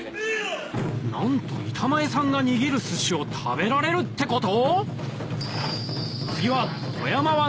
なんと板前さんが握る寿司を食べられるってこと？